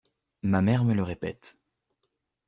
Ma mère me le répète.